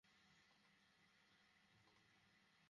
মলি, তুমি এখন যেতে পারো না।